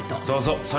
そうそう。